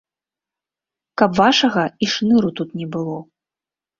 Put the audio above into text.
Каб вашага і шныру тут не было.